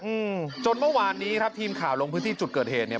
อืมจนเมื่อวานนี้ครับทีมข่าวลงพื้นที่จุดเกิดเหตุเนี้ย